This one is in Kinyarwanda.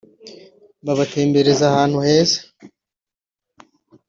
babatembereza ahantu heza